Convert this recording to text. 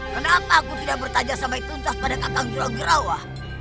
kenapa aku tidak bertajah sampai tuntas pada kakang jurong girawa